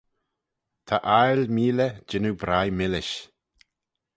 Ta aile meeley jannoo bry millish